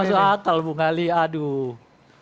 masu atal bung ali aduh